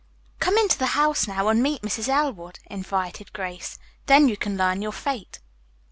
"Come into the house now and meet Mrs. Elwood," invited Grace. "Then you can learn your fate."